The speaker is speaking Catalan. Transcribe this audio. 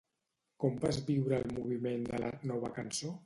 Com vas viure el moviment de la “Nova Cançó”?